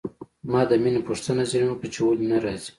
ما د مينې پوښتنه ځنې وکړه چې ولې نه راځي.